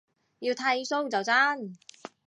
要剃鬚就真